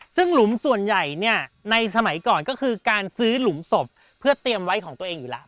ซึ่งหลุมส่วนใหญ่เนี่ยในสมัยก่อนก็คือการซื้อหลุมศพเพื่อเตรียมไว้ของตัวเองอยู่แล้ว